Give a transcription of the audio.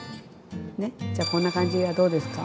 じゃこんな感じはどうですか？